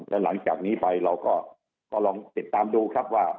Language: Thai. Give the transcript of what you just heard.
และหลังจากนี้ไปเราก็ลองติดตามดูครับว่า